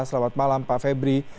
selamat malam pak febri